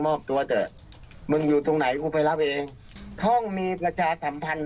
มอบตัวเถอะมึงอยู่ตรงไหนกูไปรับเองห้องมีประชาสัมพันธ์